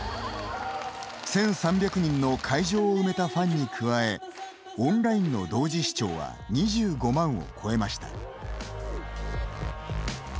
１３００人の会場を埋めたファンに加えオンラインの同時視聴は２５万を超えました。